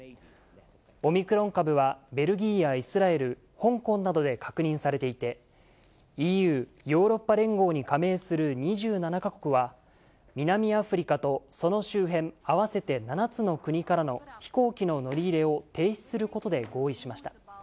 オミクロン株は、ベルギーやイスラエル、香港などで確認されていて、ＥＵ・ヨーロッパ連合に加盟する２７か国は、南アフリカとその周辺、合わせて７つの国からの飛行機の乗り入れを停止することで合意しました。